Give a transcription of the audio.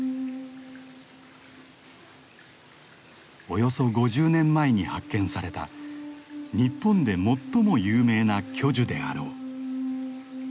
およそ５０年前に発見された日本で最も有名な巨樹であろう。